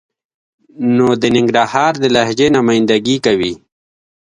نو د ننګرهار د لهجې نماینده ګي کوي.